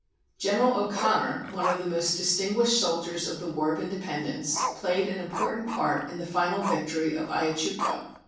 General O'Connor, one of the most distinguished soldiers of the War of Independence, played an important part in the final victory of Ayachucho.